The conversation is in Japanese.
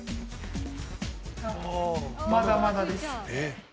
まだまだですね。